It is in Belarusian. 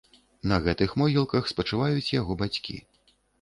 На гэтых могілках спачываюць яго бацькі.